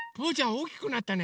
おおきくなったね。